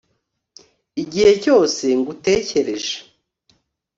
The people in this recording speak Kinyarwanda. igihe cyose ngutekereje